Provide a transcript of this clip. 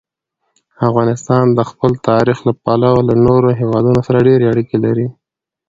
افغانستان د خپل تاریخ له پلوه له نورو هېوادونو سره ډېرې اړیکې لري.